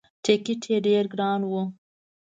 ټکت یې ډېر ګران وو.